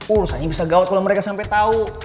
urusannya bisa gawat kalo mereka sampe tau